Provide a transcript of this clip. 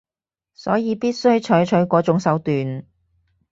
所以必須採取嗰種手段